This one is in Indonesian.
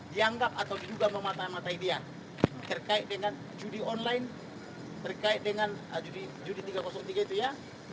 dianggap atau diduga mematah matai dia terkait dengan judi online terkait dengan judi tiga ratus tiga itu ya